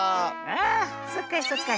ああそうかそうか。